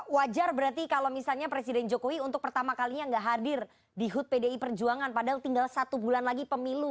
wajar berarti kalau misalnya presiden jokowi untuk pertama kalinya nggak hadir di hud pdi perjuangan padahal tinggal satu bulan lagi pemilu